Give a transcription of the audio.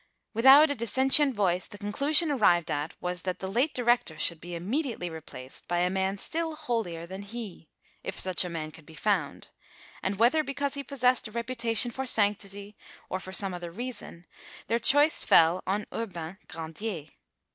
Without a dissentient voice, the conclusion arrived at was, that the late director should be immediately replaced by a man still holier than he, if such a man could be found, and whether because he possessed a reputation for sanctity, or for some other reason, their choice fell on Urbain Grandier.